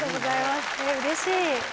うれしい！